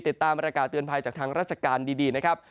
ติดตามประกาศเตือนภัยจากทางราชการดีนะครับ